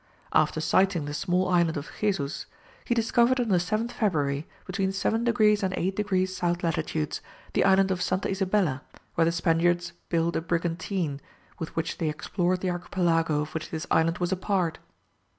After sighting the small Island of Jesus, he discovered on the 7th February between 7 degrees and 8 degrees south latitude, the Island of Santa Isabella, where the Spaniards built a brigantine, with which they explored the archipelago of which this island was a part.